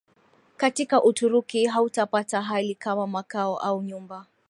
Katika Uturuki hautapata hali kama makao au nyumba